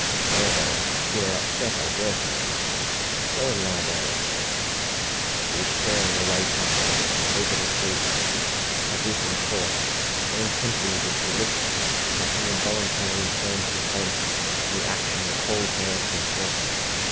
"There, there; you are upset, I dare say. Go and lie down." She was staring away past him over the sea, as if in thought. So intently did she look that he involuntarily turned his head, and the action recalled her to herself.